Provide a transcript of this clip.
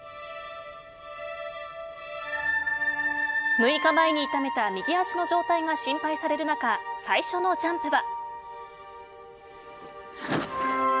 ６日前に痛めた右足の状態が心配される中最初のジャンプは。